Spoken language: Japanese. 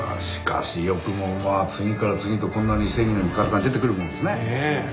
しかしよくもまあ次から次へとこんなに正義の味方が出てくるもんですね。